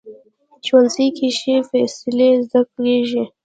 ښوونځی کې ښې فیصلې زده کېږي